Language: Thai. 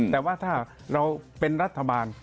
แต่ว่าถ้าเราเป็นรัฐบาล